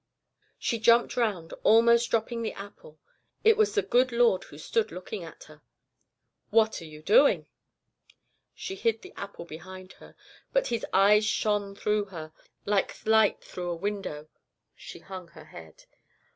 "She jumped round, almost dropping the apple. It was the good Lord God who stood looking at her. "'What are you doing?' "She hid the apple behind her, but His eyes shone through her, like light through a window. She hung her head.